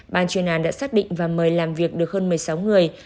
ban chuyên án đã xác định và mời làm việc được hơn một mươi sáu người